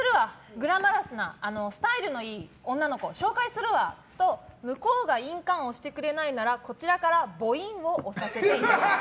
グラマラスなスタイルのいい女の子紹介するわと向こうが印鑑を押してくれないならこちらから拇印を押させてもらう。